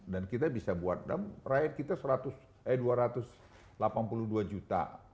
dan kita bisa buat rakyat kita satu ratus delapan puluh dua juta